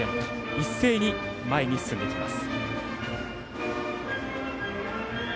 いっせいに前に進んでいきます。